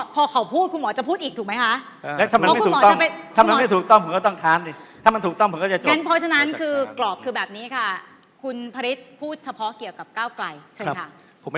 พอเขาพูดคุณหมอจะพูดอีกถูกไหมคะ